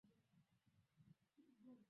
Jibu lako ni sahihi.